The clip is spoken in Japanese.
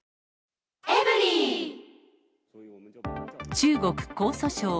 中国・江蘇省。